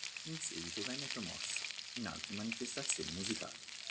In seguito venne promosso in altre manifestazioni musicali.